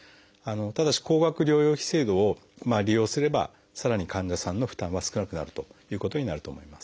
ただし高額療養費制度を利用すればさらに患者さんの負担は少なくなるということになると思います。